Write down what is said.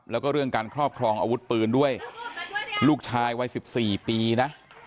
แล้วก็เรื่องการครอบครองอาวุธปืนด้วยลูกชายวัย๑๔ปีนะ